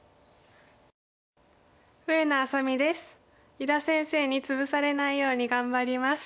伊田先生にツブされないように頑張ります。